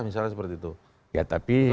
misalnya seperti itu ya tapi